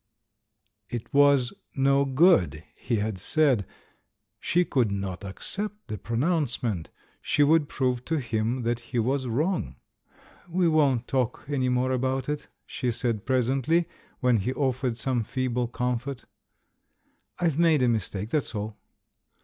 It was "no good," he had said — she could not accept the pronouncement, she would prove to him that he was wrong! "We won't talk any more about it," she said presently, when he offered some feeble comfort. "I've made a mistake, that's all."